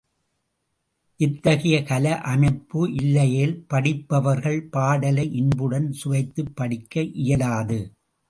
இத்தகைய கலை அமைப்பு இல்லையேல், படிப்பவர்கள் பாடலை இன்புடன் சுவைத்துப் படிக்க இயலாது.